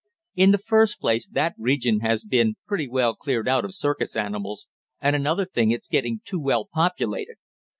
In the first place that region has been pretty well cleaned out of circus animals, and another thing it's getting too well populated.